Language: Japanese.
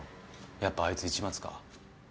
やっぱあいつ市松か？